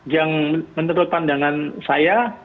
yang menurut pandangan saya